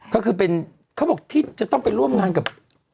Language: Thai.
ก็คือเป็นเขาบอกที่จะต้องไปร่วมงานกับ